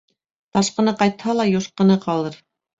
Ташҡыны ҡайтһа ла, юшҡыны ҡалыр.